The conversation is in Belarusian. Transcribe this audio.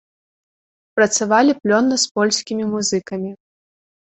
Працавалі плённа з польскімі музыкамі.